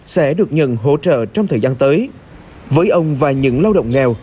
sẽ được nhận hỗ trợ trong thời gian tới với ông và những lao động nghèo